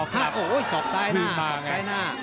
โหสอกใต้หน้า